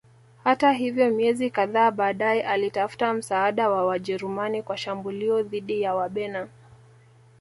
Hata hivyo miezi kadhaa baadaye alitafuta msaada wa Wajerumani kwa shambulio dhidi ya Wabena